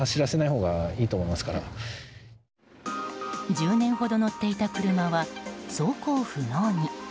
１０年ほど乗っていた車は走行不能に。